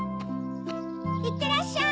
いってらっしゃい！